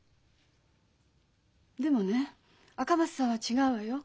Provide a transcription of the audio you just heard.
でもね赤松さんは違うわよ。